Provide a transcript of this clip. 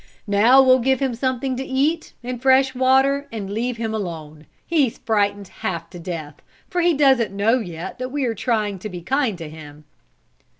Now we'll give him something to eat, and fresh water, and leave him alone. He's frightened half to death, for he doesn't know yet that we are trying to be kind to him."